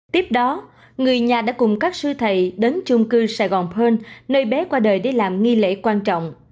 tiếp đó người nhà đã cùng các sư thầy đến chung cư sài gòn pơn nơi bé qua đời để làm nghi lễ quan trọng